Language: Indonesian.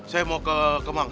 saya mau ke kemang